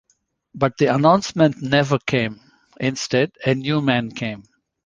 But the announcement never came; instead, a new man came.